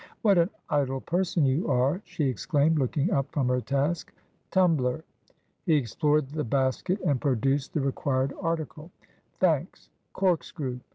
' What an idle person you are !' she exclaimed, looking up from her task. 'Tumbler!' He explored the basket and produced the required article. ' Thanks. Corkscrew !